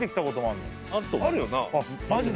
あるよな？